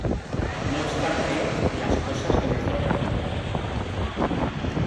No obstante, las cosas comenzaron a cambiar.